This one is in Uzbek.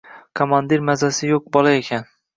Komandiri mazasi yo‘q bola ekan!